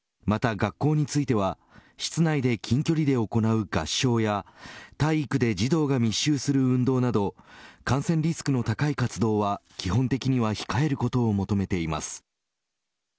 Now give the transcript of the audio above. また学校については室内で近距離で行う合唱や体育で児童が密集する運動など感染リスクの高い活動は基本的には控えることを求めています。